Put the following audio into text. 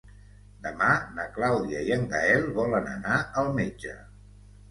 Demà na Clàudia i en Gaël volen anar al metge.